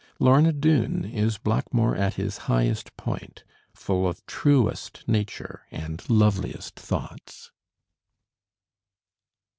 'Lorna Doone' is Blackmore at his highest point, full of truest nature and loveliest thoughts.